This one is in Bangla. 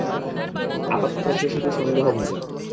আপাতত সে শুধু সন্দেহভাজন।